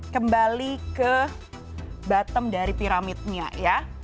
kembali ke bottom dari piramidnya ya